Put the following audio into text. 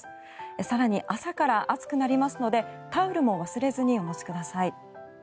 更に朝から暑くなりますのでタオルも忘れずにお持ちください。